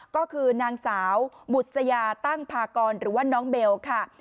ก็คือนางสาวบุษยาตั้งพากรหรือว่าน้องเบลค่ะ